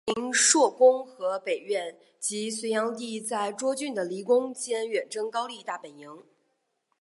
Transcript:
此临朔宫和北苑即隋炀帝在涿郡的离宫兼远征高丽大本营。